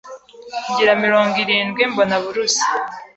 ngira mirongo irindwi mbona buruse.